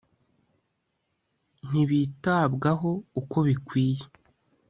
ntibitabwaho uko bikwiye